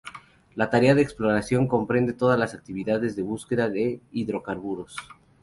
La tarea de exploración comprende todas las actividades de búsqueda de hidrocarburos.